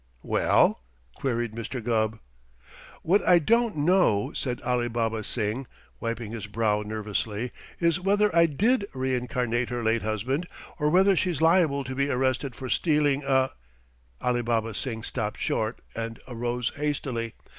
"Well?" queried Mr. Gubb. "What I don't know," said Alibaba Singh, wiping his brow nervously, "is whether I did reincarnate her late husband or whether she's liable to be arrested for stealing a " Alibaba Singh stopped short and arose hastily.